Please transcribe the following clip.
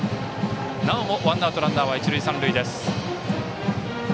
なおもワンアウトランナー、一塁三塁です。